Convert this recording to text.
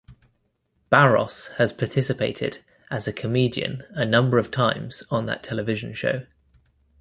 Barros has participated as a comedian a number of times on that television show.